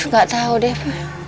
gak tau deh